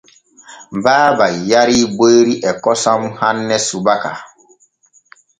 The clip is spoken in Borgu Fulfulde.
Baaba yarii boyri e kosom hanne subaka.